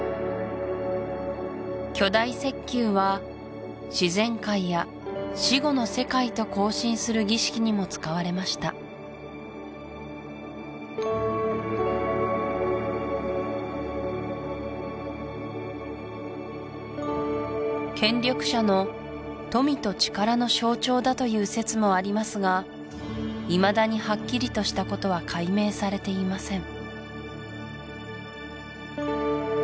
巨大石球は自然界や死後の世界と交信する儀式にも使われました権力者の富と力の象徴だという説もありますがいまだにはっきりとしたことは解明されていません